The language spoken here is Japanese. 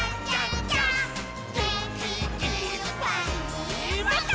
「げんきいっぱいもっと」